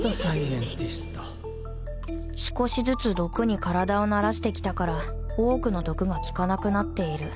少しずつ毒に体を慣らしてきたから多くの毒が効かなくなっている